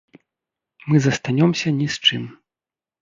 Мы застанёмся ні з чым.